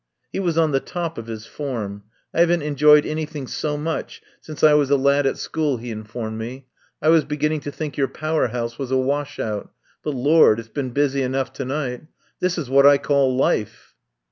He was on the top of his form. "I haven't enjoyed anything so much since I was a lad at school," he informed me. "I was beginning to think your Power House was a wash out, but Lord! it's been busy enough to night. This is what I call life!"